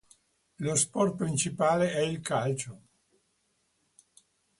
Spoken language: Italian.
Lo sport principale è il calcio.